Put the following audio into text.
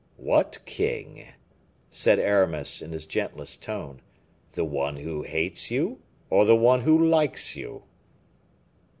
"What king?" said Aramis, in his gentlest tone; "the one who hates you, or the one who likes you?"